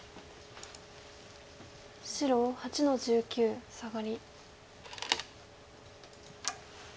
白８の十九サガリ。